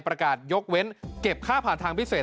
ประกาศยกเว้นเก็บค่าผ่านทางพิเศษ